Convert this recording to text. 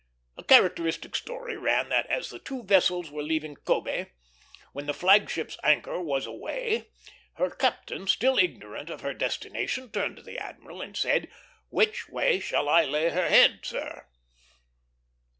A characteristic story ran that, as the two vessels were leaving Kobé, when the flag ship's anchor was a weigh, her captain, still ignorant of her destination, turned to the admiral and said, "Which way shall I lay her head, sir?"